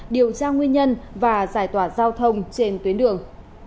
điều tra nguyên nhân và giải tỏa giao thông trên tuyến đường